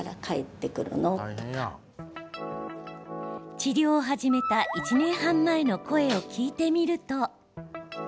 治療を始めた１年半前の声を聞いてみると。